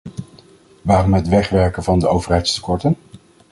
Waarom het wegwerken van de overheidstekorten?